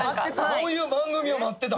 こういう番組を待ってた？